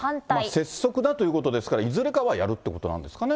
拙速だということですから、いずれかはやるってことなんですかね。